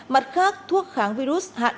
mặt khác thuốc kháng virus hạn